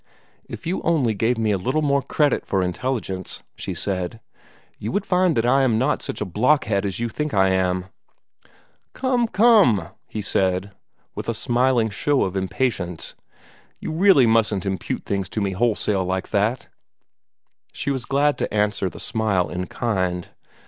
"If you only gave me a little more credit for intelligence," she said, "you would find that I am not such a blockhead as you think I am." "Come, come!" he said, with a smiling show of impatience. "You really mustn't impute things to me wholesale, like that." She was glad to answer the smile in kind.